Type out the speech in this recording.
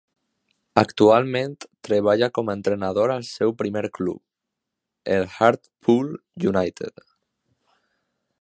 Actualment treballa com a entrenador al seu primer club, el Hartlepool United.